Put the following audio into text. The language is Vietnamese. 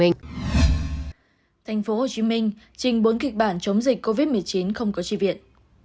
tp hcm trình bốn kịch bản chống dịch covid một mươi chín không có tri viện